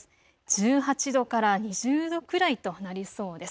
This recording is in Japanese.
１８度から２０度くらいとなりそうです。